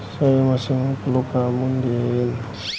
saya masih gak perlu kamu din